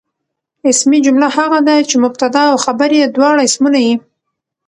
اسمي جمله هغه ده، چي مبتدا او خبر ئې دواړه اسمونه يي.